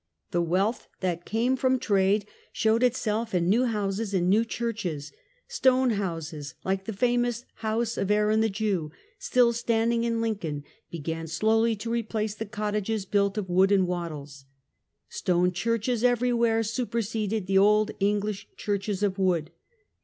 The wealth that came from trade showed itself in new houses and new churches. Stone houses, like the famous house of Aaron the Jew, still standing in Lincoln, began slowly to replace the cottages built of wood and wattles. Stone churches everywhere super seded the old English churches of wood.